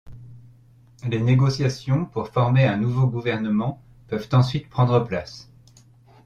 Les négociations pour former un nouveau gouvernement peuvent ensuite prendre place.